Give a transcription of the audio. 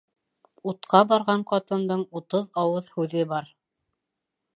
Утҡа барған ҡатындың утыҙ ауыҙ һүҙе бар.